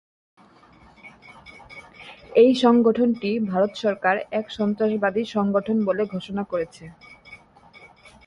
এই সংগঠনটি ভারত সরকার এক সন্ত্রাসবাদী সংগঠন বলে ঘোষণা করেছে।